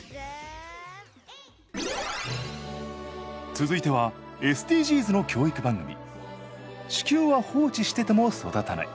続いてはＳＤＧｓの教育番組「地球は放置してても育たない」。